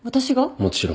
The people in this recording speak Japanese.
もちろん。